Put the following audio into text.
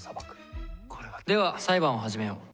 では、裁判を始めよう。